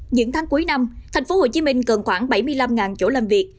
những tháng cuối năm tp hcm cần khoảng bảy mươi năm chỗ làm việc